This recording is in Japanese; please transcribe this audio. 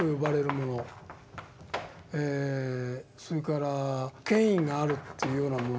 それから権威があるというようなもの。